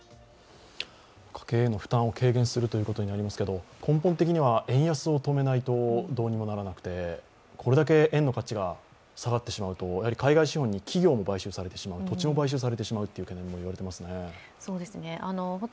家計への負担を軽減するということになりますけれども、根本的には円安を止めないとどうにもならなくて、これだけ円の価値が下がってしまうとやはり海外資本に企業も買収されてしまう、土地も買収されてしまうというふうにもいわれていますね。